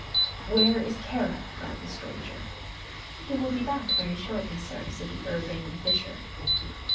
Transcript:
"Where is Kara?" growled the stranger. "He will be back very shortly, sir," said the urbane Fisher.